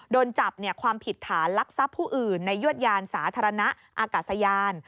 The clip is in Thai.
โดนจับความผิดฐานลักทรัพย์ผู้อื่นในยวดยานสาธารณะอากาศยาน